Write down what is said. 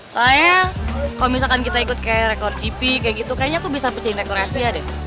soalnya kalau misalkan kita ikut kayak rekor gp kayak gitu kayaknya aku bisa pecahin rekor asia deh